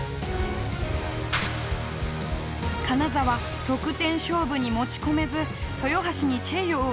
金沢得点勝負に持ち込めず豊橋にチェイヨーを許してしまいました。